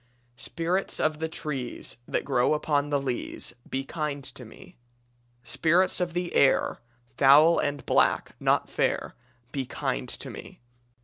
"Spirits of the trees That grow upon the leas, Be kind to me. "Spirits of the air, Foul and black, not fair, Be kind to me.